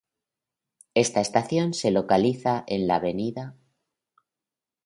Esta estación se localiza en la "Av.